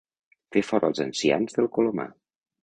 Fer fora els ancians del colomar.